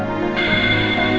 aku mau ke rumah sakit